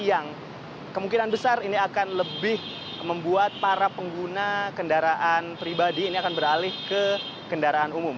yang kemungkinan besar ini akan lebih membuat para pengguna kendaraan pribadi ini akan beralih ke kendaraan umum